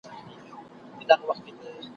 وئېل ئې بس يو زۀ اؤ دېوالونه د زندان دي ,